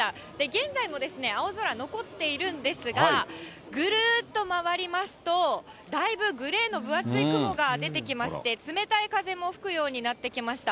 現在もですね、青空、残っているんですが、ぐるーっと回りますと、だいぶグレーの分厚い雲が出てきまして、冷たい風も吹くようになってきました。